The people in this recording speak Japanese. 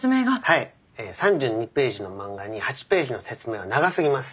はい３２ページの漫画に８ページの説明は長すぎます。